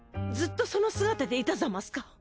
ずっとその姿でいたざますか？